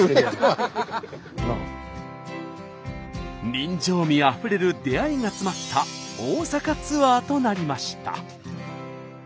人情味あふれる出会いが詰まった大阪ツアーとなりました。